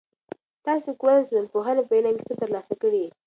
تاسو کونه د ټولنپوهنې په علم کې څه تر لاسه کړي؟